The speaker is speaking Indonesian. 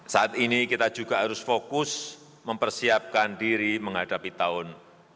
saat ini kita juga harus fokus mempersiapkan diri menghadapi tahun dua ribu dua puluh